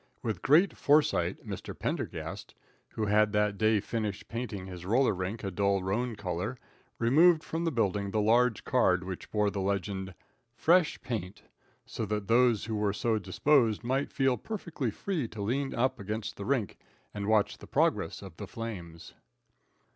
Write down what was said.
With great foresight, Mr. Pendergast, who had that day finished painting his roller rink a dull roan color, removed from the building the large card which bore the legend: FRESH PAINT! so that those who were so disposed might feel perfectly free to lean up against the rink and watch the progress of the flames.